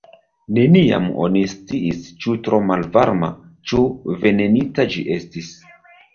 Neniam oni sciis, ĉu tro malvarma, ĉu venenita ĝi estis.